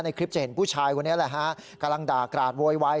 คลิปจะเห็นผู้ชายคนนี้แหละฮะกำลังด่ากราดโวยวาย